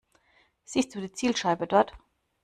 Siehst du die Zielscheibe dort?